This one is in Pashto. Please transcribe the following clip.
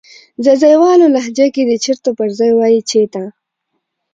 ځاځيواله لهجه کې د "چیرته" پر ځای وایې "چیته"